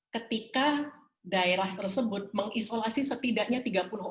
ketika daerah tersebut mengisolasi setidaknya tiga puluh orang untuk tiap hari